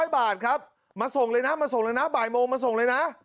๐บาทครับมาส่งเลยนะมาส่งเลยนะบ่ายโมงมาส่งเลยนะ